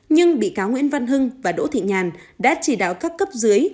nhưng bị cáo nguyễn văn hưng và đỗ thị nhàn đã chỉ đạo các cấp dưới